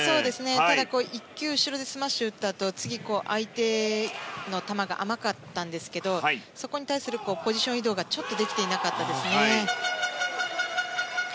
ただ、１球後ろでスマッシュを打ったあと次、相手の球が甘かったんですけどもそこに対するポジション移動がちょっとできてなかったですね。